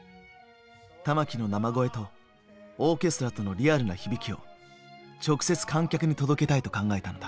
玉置の生声とオーケストラとのリアルな響きを直接観客に届けたいと考えたのだ。